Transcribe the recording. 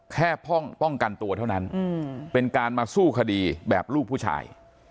พ่องป้องกันตัวเท่านั้นเป็นการมาสู้คดีแบบลูกผู้ชาย